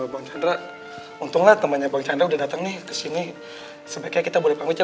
bang chandra untunglah temannya bang chandra udah datang nih kesini sebaiknya kita boleh pamit ya